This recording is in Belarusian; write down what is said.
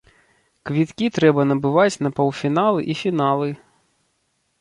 Квіткі трэба набываць на паўфіналы і фіналы.